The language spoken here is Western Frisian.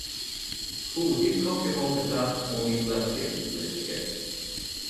Foegje kofjemolke ta oan myn boadskiplistke.